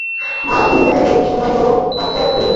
ইহাতে দীর্ঘ সময় ও অর্থের প্রয়োজন।